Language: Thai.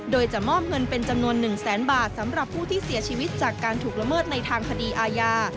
โดยจะมอบเงินเป็นจำนวน๑แสนบาทสำหรับผู้ที่เสียชีวิตจากการถูกละเมิดในทางคดีอาญา